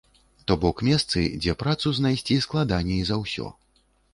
То бок месцы, дзе працу знайсці складаней за ўсё.